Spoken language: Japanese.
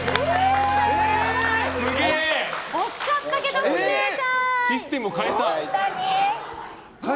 惜しかったけど不正解！